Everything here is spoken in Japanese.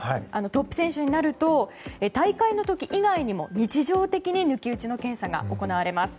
トップ選手になると大会の時以外にも日常的に抜き打ちの検査が行われます。